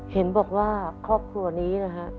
เห็นบอกว่าครอบครัวนี้นะฮะ